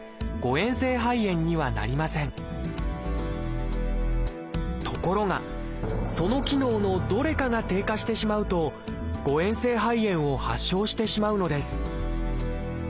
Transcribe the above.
えん性肺炎にはなりませんところがその機能のどれかが低下してしまうと誤えん性肺炎を発症してしまうのです